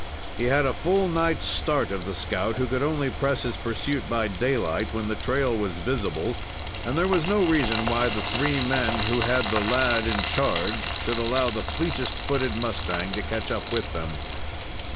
He had a full night's start of the scout, who could only press his pursuit by daylight, when the trail was visible, and there was no reason why the three men who had the lad in charge should allow the fleetest footed mustang to catch up with them.